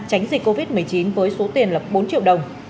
tránh dịch covid một mươi chín với số tiền lập bốn triệu đồng